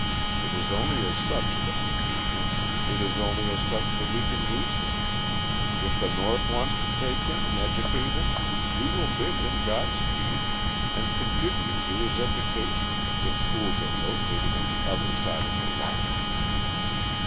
It is only as such that we need him; it is only as such that we can use him. If the North wants to take him and educate him we will bid him godspeed and contribute to his education if schools are located on the other side of the line.